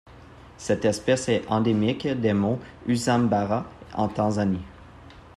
Cette espèce est endémique des monts Usambara en Tanzanie.